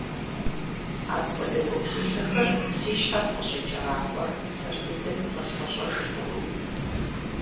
Апхуэдэ гупсысэхэр си щхьэм къыщӀикӀэрахъуэр сэр дыдэми къысхуэщӏэжыртэкъым.